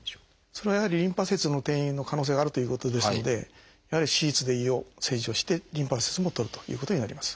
それはやはりリンパ節への転移の可能性があるということですのでやはり手術で胃を切除してリンパ節も取るということになります。